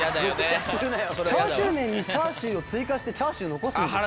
チャーシュー麺にチャーシューを追加してチャーシュー残すんですよ。